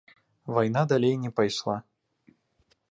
Вайна далей не пайшла.